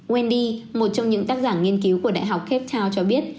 wendy một trong những tác giả nghiên cứu của đại học capt town cho biết